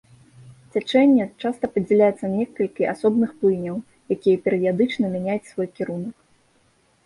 Цячэнне часта падзяляецца на некалькі асобных плыняў, якія перыядычна мяняюць свой кірунак.